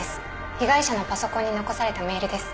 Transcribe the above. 被害者のパソコンに残されたメールです。